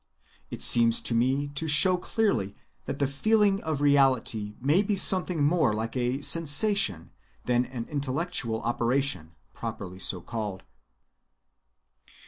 It seems to me to show clearly that the feeling of reality may be something more like a sensation than an intellectual operation properly so‐called.